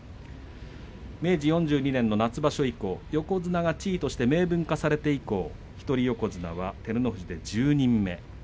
明治４２年夏場所以降横綱が地位として明文化されて以降、一人横綱は照ノ富士で１０人目。